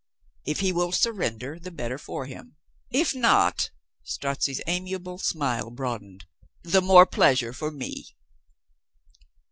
If he will surrender, the better for him. If not," Strozzi's amiable smile broad ened, "the more pleasure for me.